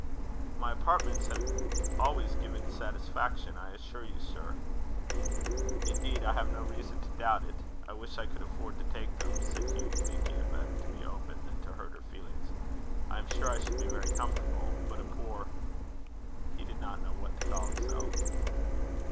"My apartments have always given satisfaction, I assure you, sir." "Indeed, I have no reason to doubt it. I wish I could afford to take them," said Hugh, thinking it better to be open than to hurt her feelings. "I am sure I should be very comfortable. But a poor " He did not know what to call himself.